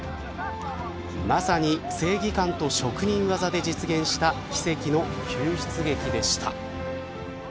まさに正義感と職人技で実現した奇跡の救出劇でした。